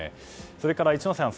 それから、一之瀬さん